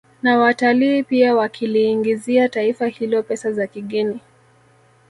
Na watalii pia wakiliingizia taifa hilo pesa za kigeni